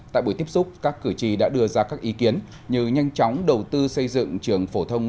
tại buổi tiếp xúc các cử tri đã đưa ra các ý kiến như nhanh chóng đầu tư xây dựng trường phổ thông